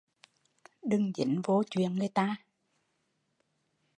Đứng dính vô chuyện người ta